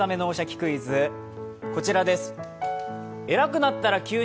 クイズ」、こちらです。